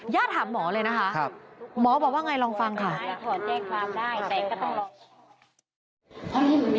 ถามหมอเลยนะคะหมอบอกว่าไงลองฟังค่ะ